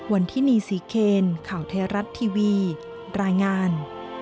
วันที่นี่ศรีเคนข่าวไทยรัฐทีวีรายงาน